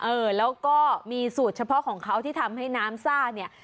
เออแล้วก็มีสูตรเฉพาะของเขาที่ทำให้น้ำซ่าเนี่ย